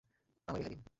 আমায় রেহাই দিন।